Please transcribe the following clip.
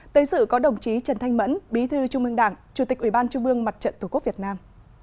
tới sự có đồng chí trần thanh mẫn bí thư trung ương đảng chủ tịch ubnd mặt trận tổ quốc việt nam